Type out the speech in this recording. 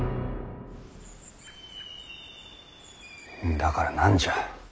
だから何じゃ。